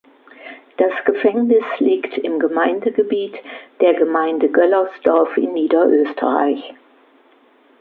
Das Gefängnis liegt im Gemeindegebiet der Gemeinde Göllersdorf in Niederösterreich.